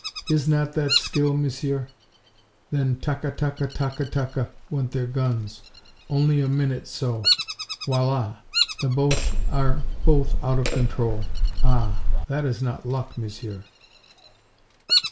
Is not that skill, Monsieur? Then, taka taka taka taka went their guns. Only a minute so. Voila! The Boche are both out of control. Ah, that is not luck, Monsieur.